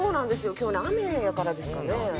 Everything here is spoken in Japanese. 今日ね雨やからですかね。